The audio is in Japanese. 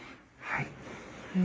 はい。